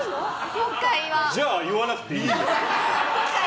じゃあ言わなくていい。